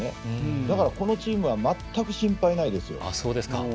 だから、このチームは全く心配ないですよ。